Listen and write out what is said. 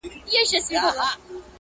دوه لاسونه پر دوو پښو باندي روان وو -